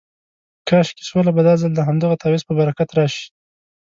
کاشکې سوله به دا ځل د همدغه تعویض په برکت راشي.